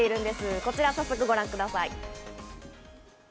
こちらを早速、ご覧ください。